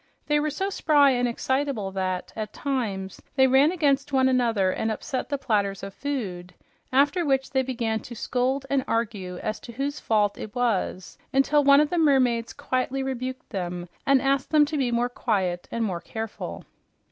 They were so spry and excitable that at times they ran against one another and upset the platters of food, after which they began to scold and argue as to whose fault it was, until one of the mermaids quietly rebuked them and asked them to be more quiet and more careful.